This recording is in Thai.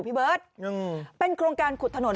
เป็นโครงการขุดถนน